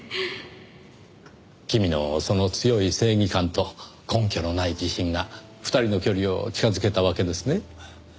君のその強い正義感と根拠のない自信が２人の距離を近づけたわけですね。